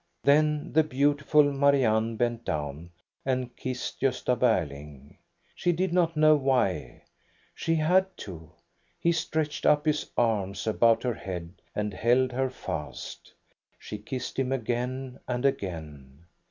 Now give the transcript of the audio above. Then the beautiful Marianne bent down and kissed Gosta Berling. She did not know why, — she had to. He stretched up his arms about her head and held , her fast. She kissed him again and again.